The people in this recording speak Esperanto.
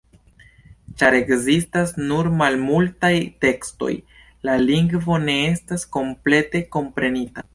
Ĉar ekzistas nur malmultaj tekstoj, la lingvo ne estas komplete komprenita.